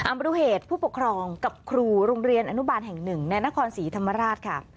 มาดูเหตุผู้ปกครองกับครูโรงเรียนอนุบาลแห่งหนึ่งในนครศรีธรรมราชค่ะ